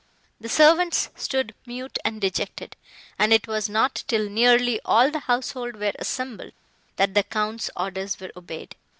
The servants stood mute and dejected, and it was not till nearly all the household were assembled, that the Count's orders were obeyed.